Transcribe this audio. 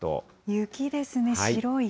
雪ですね、白い。